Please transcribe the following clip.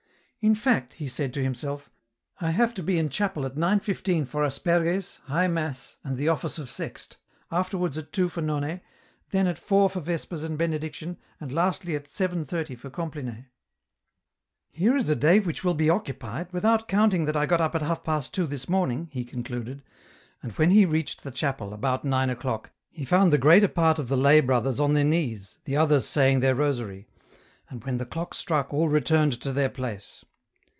" In fact," he said to himself, " I have to be in chapel at 9.15 for Asperges, High Mass and the Office of Sext, afterwards at 2 for None, then at 4 for Vespers and Benediction and lastly at 7.30 for Compline. « 3 260 EN ROUTE. " Here is a day which will be occupied, without counting that I got up at half past two this morning," he concluded ; and when he reached the chapel, about nine o'clock, he found the greater part of the lay brothers on their knees, the others saying their rosary ; and when the clock struck all returned to their place.